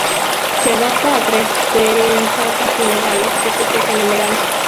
Se adapta a crecer en charcas y humedales, que se secan en verano.